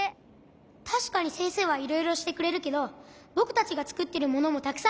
たしかにせんせいはいろいろしてくれるけどぼくたちがつくってるものもたくさんあるんだよ。